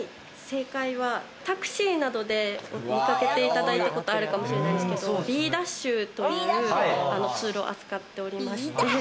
正解はタクシーなどで見かけていただいたことはあるかもしれないんですけど、Ｂｄａｓｈというツールを扱っておりまして。